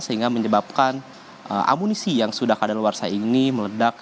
sehingga menyebabkan amunisi yang sudah keadaan luar sah ini meledak